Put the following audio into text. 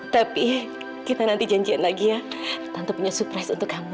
tapi ya kita nanti janjian lagi ya tanpa punya surprise untuk kamu